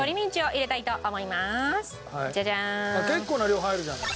結構な量入るじゃない。